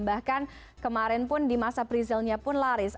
bahkan kemarin pun di masa pre zill nya pun laris